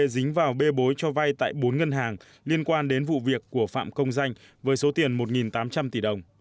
và ông trầm bê bối cho vai tại bốn ngân hàng liên quan đến vụ việc của phạm công danh với số tiền một tám trăm linh tỷ đồng